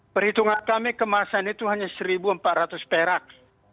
perhitungan kami kemasan itu hanya satu empat ratus perak